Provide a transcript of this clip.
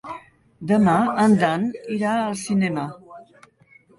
Demà en Dan irà al cinema.